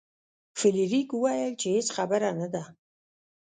فلیریک وویل چې هیڅ خبره نه ده.